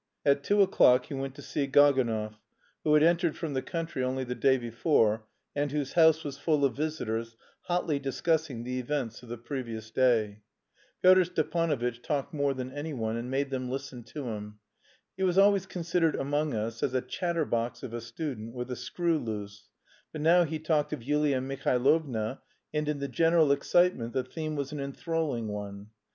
At two o'clock he went to see Gaganov, who had arrived from the country only the day before, and whose house was full of visitors hotly discussing the events of the previous day. Pyotr Stepanovitch talked more than anyone and made them listen to him. He was always considered among us as a "chatterbox of a student with a screw loose," but now he talked of Yulia Mihailovna, and in the general excitement the theme was an enthralling one.